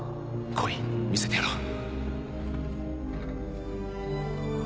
来い見せてやろう。